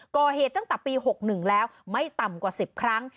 ก่อเหตุตั้งแต่ปี๖๑แล้วไม่ต่ำกว่า๑๐ครั้ง